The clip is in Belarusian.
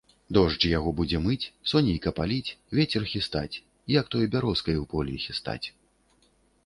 Дождж яго будзе мыць, сонейка паліць, вецер хістаць, як той бярозкай у полі хістаць.